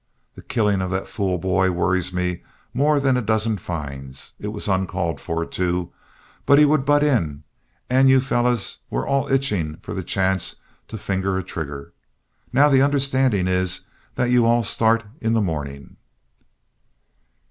The killing of that fool boy worries me more than a dozen fines. It was uncalled for, too, but he would butt in, and you fellows were all itching for the chance to finger a trigger. Now the understanding is that you all start in the morning."